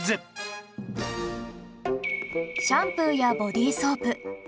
シャンプーやボディソープ